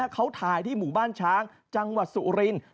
เขาถ่ายที่หมู่บ้านช้างจังหวัดสุรินทร์